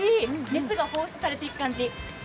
熱が放出されていく感じ。